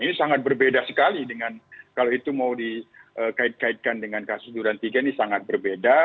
ini sangat berbeda sekali dengan kalau itu mau dikait kaitkan dengan kasus durantika ini sangat berbeda